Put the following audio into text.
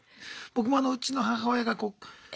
僕もあのうちの母親がこう。